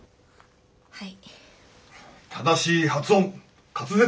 はい。